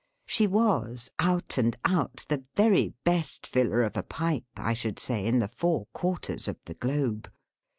She was, out and out, the very best filler of a pipe, I should say, in the four quarters of the globe.